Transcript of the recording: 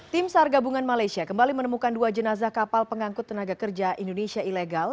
tim sar gabungan malaysia kembali menemukan dua jenazah kapal pengangkut tenaga kerja indonesia ilegal